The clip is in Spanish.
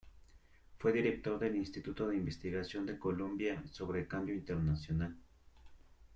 Fue director del Instituto de Investigación de Columbia sobre Cambio Internacional.